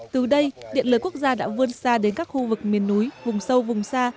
từ đây điện lưới quốc gia đã vươn xa đến các khu vực miền núi vùng sâu vùng xa